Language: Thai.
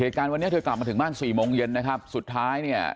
เหตุการณ์วันนี้เธอกลับมาถึงบ้านสี่โมงเย็นนะครับสุดท้ายเนี่ย